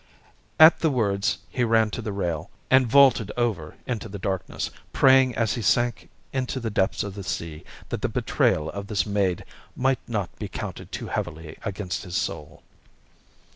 At the words he ran to the rail, and vaulted over into the darkness, praying as he sank into the depths of the sea, that the betrayal of this maid might not be counted too heavily against his soul.